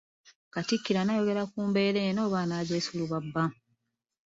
Katikkiro anaayogera ku mbeera eno oba anaagyesulubabba?